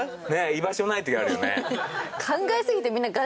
居場所ない時あるよね。